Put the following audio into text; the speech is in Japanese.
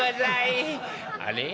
あれ？